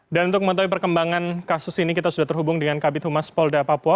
dan untuk mengetahui perkembangan kasus ini kita sudah terhubung dengan kabit humas polda papua